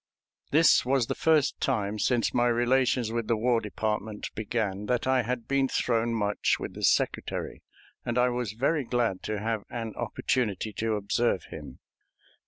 This was the first time since my relations with the War Department began that I had been thrown much with the Secretary, and I was very glad to have an opportunity to observe him.